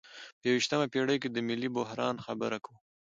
په یویشتمه پیړۍ کې د ملي بحران خبره کوو.